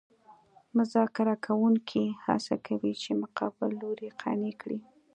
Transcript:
مذاکره کوونکي هڅه کوي چې مقابل لوری قانع کړي